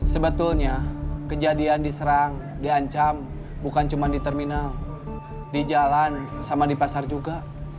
sebetulnya kejadian diserang diancam bukan cuma di terminal di jalan sama di pasar juga